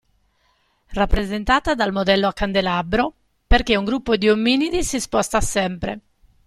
Rappresentata dal modello a candelabro perché un gruppo di ominidi si sposta sempre.